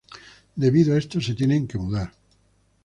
Debido a eso se tienen que mudar.